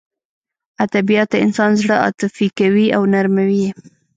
ادبیات د انسان زړه عاطفي کوي او نرموي یې